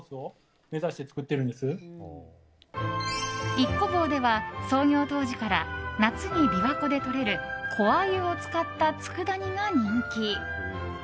一湖房では創業当時から夏に琵琶湖でとれる子あゆを使った佃煮が人気。